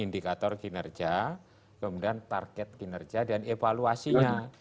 indikator kinerja kemudian target kinerja dan evaluasinya